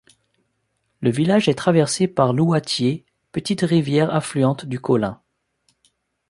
Le village est traversé par l'Ouatier, petite rivière affluente du Colin.